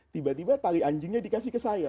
tiba tiba tali anjingnya dikasih ke saya